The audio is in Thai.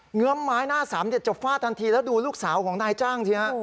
เงื้อมไม้หน้าสามจะฟาดทันทีแล้วดูลูกสาวของนายจ้างสิฮะ